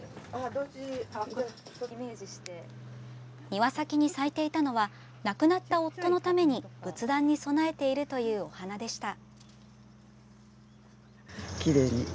庭先に咲いていたのは亡くなった夫のために仏壇に供えているというお花でした。